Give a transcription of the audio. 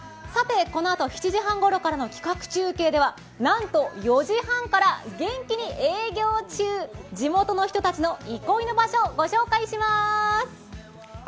このあと７時半ごろからの企画中継ではなんと、４時半から元気に営業中、地元の人たちの憩いの場所、ご紹介します。